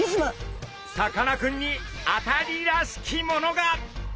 さかなクンに当たりらしきものが！